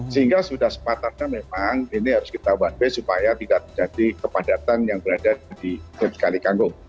sehingga sudah sempat karena memang ini harus kita one way supaya tidak terjadi kepadatan yang berada di sekali kangkung